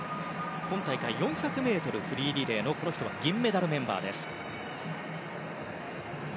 今大会４００ｍフリーリレーのこの人は銀メダルメンバーです。